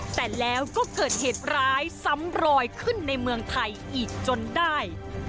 แต่แล้วก็เกิดเหตุร้ายซ้ำรอยขึ้นในเมืองไทยอีกจนได้